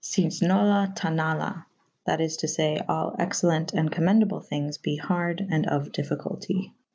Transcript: Scisnola ta nala / that is to fay / all excellent and commendable thynges be harde and of dyffyculty.